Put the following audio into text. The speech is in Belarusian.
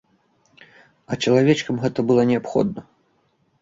А чалавечкам гэта неабходна.